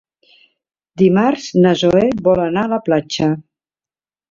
Dimarts na Zoè vol anar a la platja.